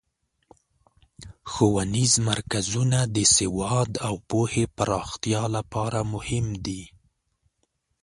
ښوونیز مرکزونه د سواد او پوهې پراختیا لپاره مهم دي.